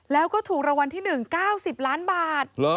แล้วก็ถูกรางวัลที่๑๙๐ล้านบาท